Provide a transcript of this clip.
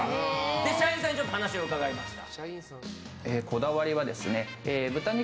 社員さんに話を伺いました。